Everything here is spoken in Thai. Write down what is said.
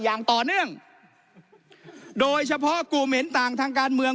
อย่างต่อเนื่องโดยเฉพาะกลุ่มเห็นต่างทางการเมือง